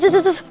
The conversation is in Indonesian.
tuh tuh tuh